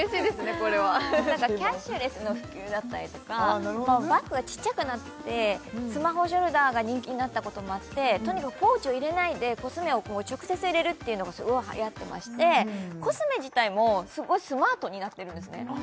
これはキャッシュレスの普及だったりとかバッグがちっちゃくなってスマホショルダーが人気になったこともあってとにかくポーチを入れないでコスメを直接入れるっていうのがすごいはやってましてコスメ自体もすごいスマートになってるんですね